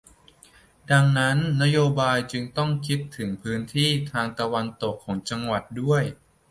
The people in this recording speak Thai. ดังนั้นนโยบายจึงต้องคิดถึงพื้นที่ทางตะวันตกของจังหวัดด้วย